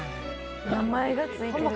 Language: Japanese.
名前が付いてる。